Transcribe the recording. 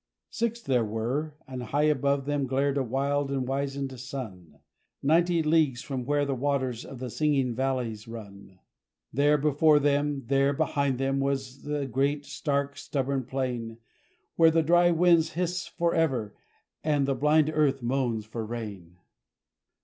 Six there were, and high above them glared a wild and wizened sun, Ninety leagues from where the waters of the singing valleys run. There before them, there behind them, was the great, stark, stubborn plain, Where the dry winds hiss for ever, and the blind earth moans for rain!